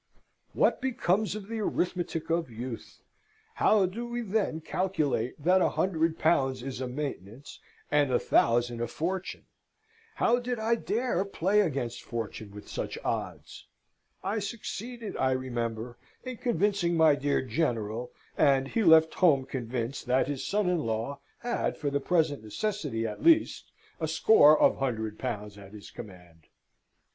What becomes of the arithmetic of youth? How do we then calculate that a hundred pounds is a maintenance, and a thousand a fortune? How did I dare play against Fortune with such odds? I succeeded, I remember, in convincing my dear General, and he left home convinced that his son in law had for the present necessity at least a score of hundred pounds at his command.